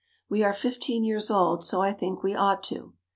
We are fifteen years old so I think we ought to.